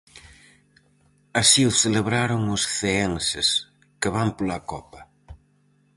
Así o celebraron os ceenses, que van pola copa.